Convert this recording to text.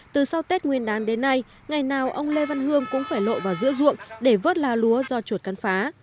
từ sau tết nguyên đán đến nay ngày nào ông lê văn hương cũng phải lội vào giữa ruộng để vớt lá lúa do chuột cắn phá